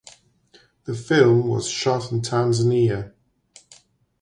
The film was shot in Tanzania.